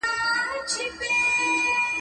دا چټکه تله پر لار زوی یې کرار وو `